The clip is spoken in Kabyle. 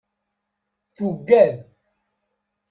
Tuggad.